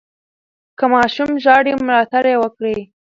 که ماشوم ژاړي، ملاتړ یې وکړئ.